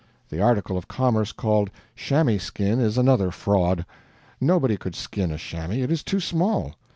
The article of commerce called chamois skin is another fraud; nobody could skin a chamois, it is too small.